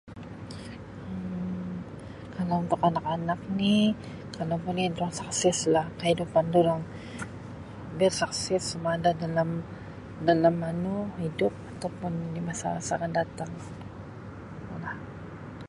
Um Kalau untuk anak-anak ni kalau boleh durang sukses lah kahidupan durang, dia sukses sama ada dalam anu hidup atau pun di masa-masa akan datang, tulah.